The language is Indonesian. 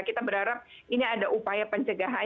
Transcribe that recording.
kita berharap ini ada upaya pencegahan